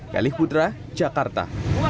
kalih putra jakarta